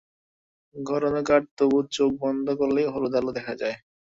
ঘর অন্ধকার, তবু চোখ বন্ধ করলেই হলুদ আলো দেখ যায়।